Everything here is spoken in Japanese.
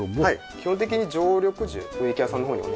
基本的に常緑樹植木屋さんの方にお願いしまして。